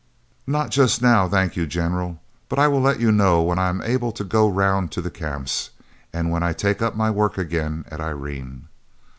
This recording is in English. "Not just now, thank you, General; but I will let you know when I am able to go round to the Camps, and when I take up my work again at Irene."